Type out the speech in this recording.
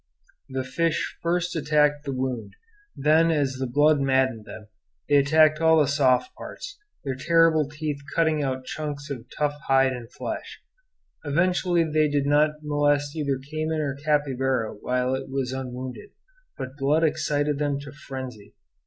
The fish first attacked the wound; then, as the blood maddened them, they attacked all the soft parts, their terrible teeth cutting out chunks of tough hide and flesh. Evidently they did not molest either cayman or capybara while it was unwounded; but blood excited them to frenzy.